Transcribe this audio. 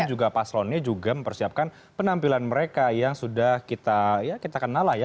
tapi juga paselonnya juga mempersiapkan penampilan mereka yang sudah kita kenal ya